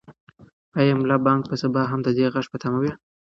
آیا ملا بانګ به سبا هم د دې غږ په تمه وي؟